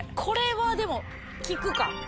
これはでも聞くか？